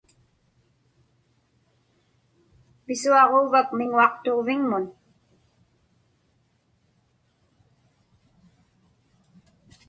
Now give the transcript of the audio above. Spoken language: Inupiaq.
Pisuaġuuvak miŋuaqtuġviŋmun?